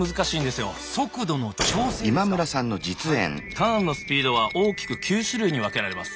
ターンのスピードは大きく９種類に分けられます。